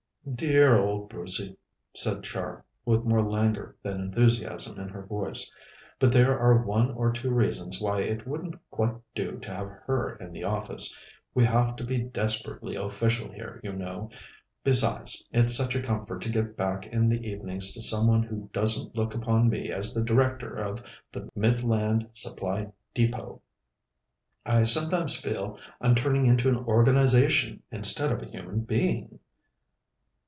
"Dear old Brucey!" said Char, with more languor than enthusiasm in her voice. "But there are one or two reasons why it wouldn't quite do to have her in the office; we have to be desperately official here, you know. Besides, it's such a comfort to get back in the evenings to some one who doesn't look upon me as the Director of the Midland Supply Depôt! I sometimes feel I'm turning into an organization instead of a human being."